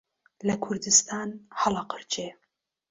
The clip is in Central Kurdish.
لە کوردستان هەڵئەقرچێ